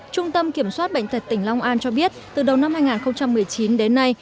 trung tâm kiểm soát bệnh tật tỉnh long an cho biết từ đầu năm hai nghìn một mươi chín đến nay